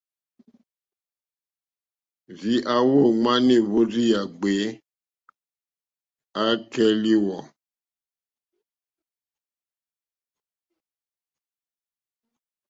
Rzii a wowi ŋmana èhvrozi ya gbèe, a e kɛ liwɔ̀,.